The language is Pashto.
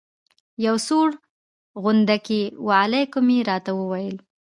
یو سوړ غوندې وعلیکم یې راته وویل.